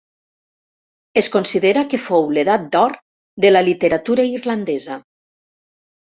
Es considera que fou l'edat d'or de la literatura irlandesa.